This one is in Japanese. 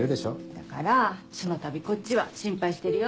だからそのたびこっちは心配してるよ。